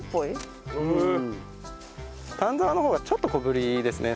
丹沢の方がちょっと小ぶりですね。